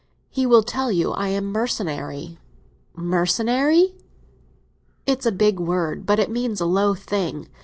"He will tell you I am mercenary." "Mercenary?" "It's a big word; but it means a low thing.